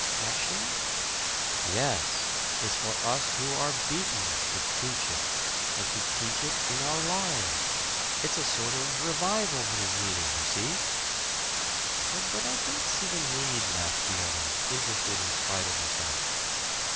"Action?" "Yes it's for us who are beaten to teach it; and to teach it in our lives. It's a sort of revival that is needed, you see." "But I don't see the need," laughed the other, interested in spite of himself.